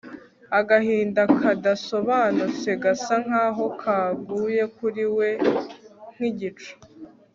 Agahinda kadasobanutse gasa nkaho kaguye kuri we nkigicu